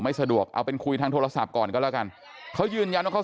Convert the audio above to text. สะดวกเอาเป็นคุยทางโทรศัพท์ก่อนก็แล้วกันเขายืนยันว่าเขา